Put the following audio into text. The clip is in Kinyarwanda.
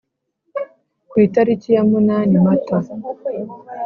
ku itariki ya munani mata